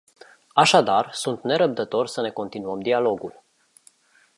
Așadar, sunt nerăbdător să ne continuăm dialogul.